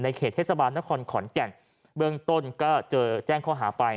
เขตเทศบาลนครขอนแก่นเบื้องต้นก็เจอแจ้งข้อหาไป